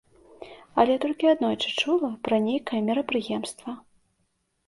Але толькі аднойчы чула пра нейкае мерапрыемства.